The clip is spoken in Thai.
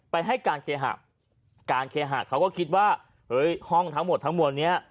ให้การเคหะการเคหะเขาก็คิดว่าเฮ้ยห้องทั้งหมดทั้งมวลนี้